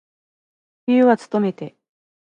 冬はつとめて。